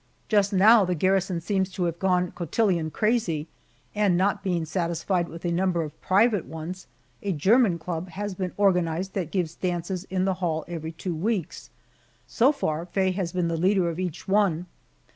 Just now the garrison seems to have gone cotillon crazy, and not being satisfied with a number of private ones, a german club has been organized that gives dances in the hall every two weeks. So far Faye has been the leader of each one.